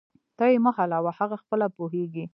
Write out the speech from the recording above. ته یې مه حلوه، هغه خپله پوهیږي